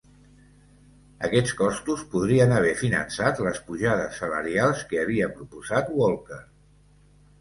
Aquests costos podrien haver finançat les pujades salarials que havia proposat Walker.